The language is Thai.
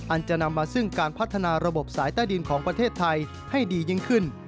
จะนำมาซึ่งการพัฒนาระบบสายใต้ดินของประเทศไทยให้ดียิ่งขึ้น